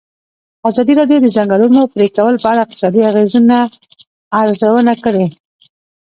ازادي راډیو د د ځنګلونو پرېکول په اړه د اقتصادي اغېزو ارزونه کړې.